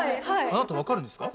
あなたわかるんですか？